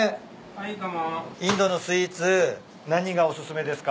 インドのスイーツ何がお薦めですか？